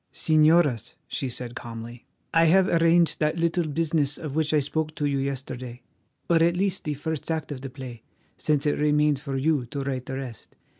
"Señoras," she said calmly, "I have arranged that little business of which I spoke to you yesterday, or at least the first act of the play, since it remains for you to write the rest.